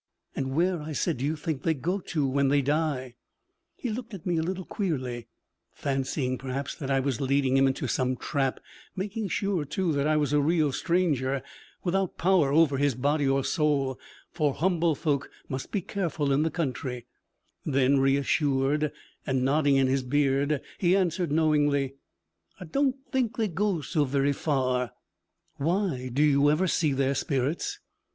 'And where,' I said, 'do you think they go to when they die?' He looked at me a little queerly, fancying perhaps that I was leading him into some trap; making sure, too, that I was a real stranger, without power over his body or soul for humble folk must be careful in the country; then, reassured, and nodding in his beard, he answered knowingly, 'Ah don't think they goes so very far!' 'Why? Do you ever see their spirits?'